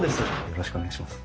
よろしくお願いします。